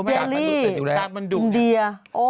แดลี่อินเดีย